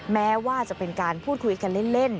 แม้ว่าจะเป็นการพูดคุยกันเล่น